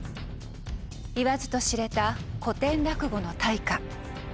言わずと知れた古典落語の大家。